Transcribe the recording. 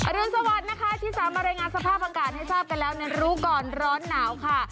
รุนสวัสดิ์นะคะที่สามารถรายงานสภาพอากาศให้ทราบกันแล้วในรู้ก่อนร้อนหนาวค่ะ